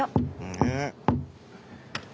ねえ。